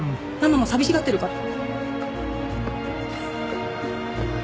ママも寂しがってるから。